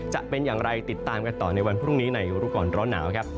จะเป็นอย่างไรติดตามกันต่อในวันพรุ่งนี้ในรู้ก่อนร้อนหนาวครับ